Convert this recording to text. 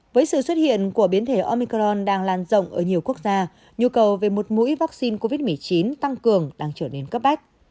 với sự xuất hiện của biến thể omicron đang lan rộng ở nhiều quốc gia nhu cầu về một mũi vaccine covid một mươi chín tăng cường đang trở nên cấp bách